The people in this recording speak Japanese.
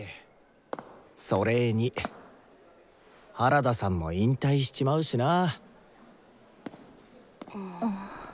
それに原田さんも引退しちまうしな。